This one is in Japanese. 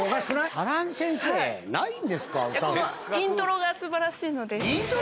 ハライントロがすばらしいので。